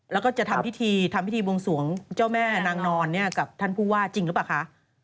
แล้วก็จะทำพิธีทำพิธีบวงสวงเจ้าแม่นางนอนกับท่านผู้ว่าจริงหรือเปล่าคะ